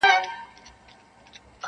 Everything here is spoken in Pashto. • چي ککړي به یې سر کړلې په غرو کي -